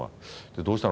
「どうしたの？